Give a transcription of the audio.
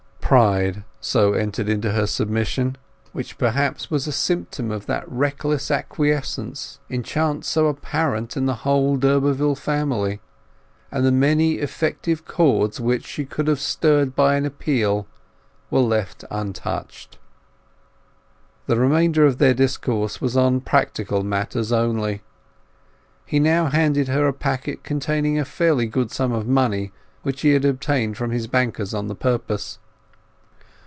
Pride, too, entered into her submission—which perhaps was a symptom of that reckless acquiescence in chance too apparent in the whole d'Urberville family—and the many effective chords which she could have stirred by an appeal were left untouched. The remainder of their discourse was on practical matters only. He now handed her a packet containing a fairly good sum of money, which he had obtained from his bankers for the purpose.